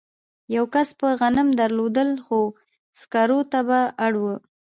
یوه کس به غنم درلودل خو سکارو ته به اړ و